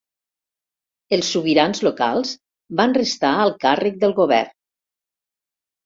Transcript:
Els sobirans locals van restar al càrrec del govern.